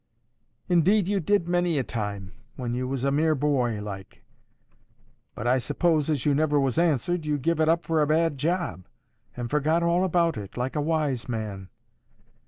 '—'Indeed you did many a time, when you was a mere boy, like; but I suppose, as you never was answered, you give it up for a bad job, and forgot all about it, like a wise man.